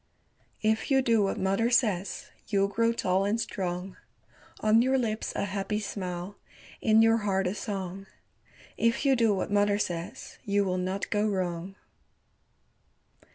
If you do what mother says You'll grow tall and strong. On your lips a happy smile, In your heart a song If you do what mother says You will not go wrong.